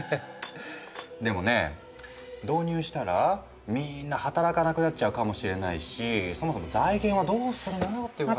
でもね導入したらみんな働かなくなっちゃうかもしれないしそもそも財源はどうするのよって話も。